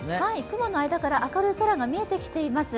雲の間から明るい空が見えてきています。